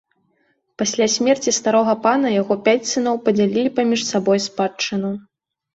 Пасля смерці старога пана яго пяць сыноў падзялілі між сабой спадчыну.